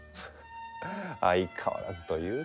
相変わらずというか。